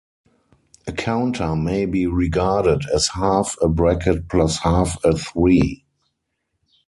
A counter may be regarded as half a bracket plus half a three.